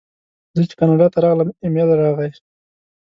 زه چې کاناډا ته راغلم ایمېل راغی.